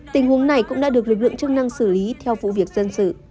tình huống này cũng đã được lực lượng chức năng xử lý theo vụ việc dân sự